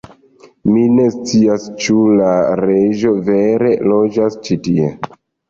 Mi ne scias ĉu la reĝo vere loĝas ĉi tie